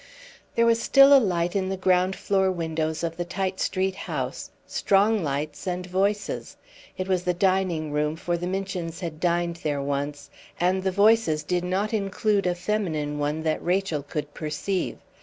There was still a light in the ground floor windows of the Tite Street house, strong lights and voices; it was the dining room, for the Minchins had dined there once; and the voices did not include a feminine one that Rachel could perceive.